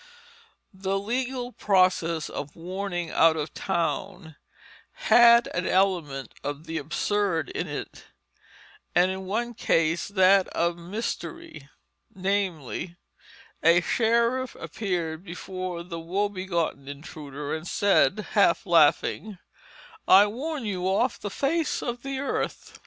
The legal process of warning out of town had an element of the absurd in it, and in one case that of mystery, namely: a sheriff appeared before the woebegone intruder, and said, half laughing, "I warn you off the face of the earth."